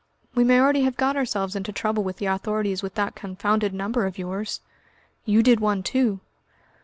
We may already have got ourselves into trouble with the authorities with that confounded number of yours!" "You did one too!"